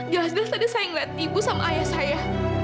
jelas jelas tadi saya melihat ibu sama ayah saya